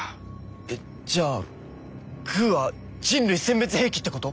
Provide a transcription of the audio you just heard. えっじゃあグーは人類せん滅兵器ってこと？